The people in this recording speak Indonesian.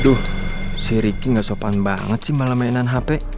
aduh si ricky gak sopan banget sih malah mainan hp